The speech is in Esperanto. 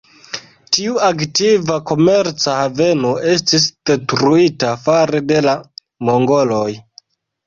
Tiu aktiva komerca haveno estis detruita fare de la mongoloj.